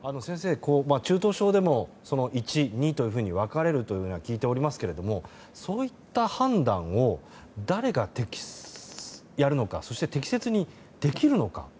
中等症でも１、２と分かれると聞いておりますがそういった判断を誰がやるのかそして適切にできるのか。